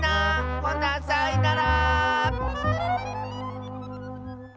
ほなさいなら！